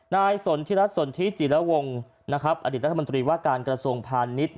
นายสนธิรัติสนธิจิลวงศ์อดีตรัฐมนตรีว่าการกระทรวงพาณิชย์